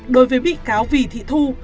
đối với bị cáo vì thị thu